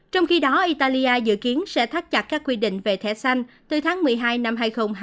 trong khi đó italia dự kiến sẽ thắt chặt các quy định về thẻ xanh từ tháng một mươi hai năm hai nghìn hai mươi